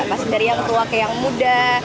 pasti dari yang tua ke yang muda